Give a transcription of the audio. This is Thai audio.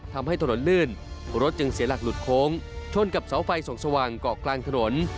ทำให้ถนนลื่นรถจึงเสียหลักหลุดโค้งชนกับเสาไฟส่องสว่างเกาะกลางถนน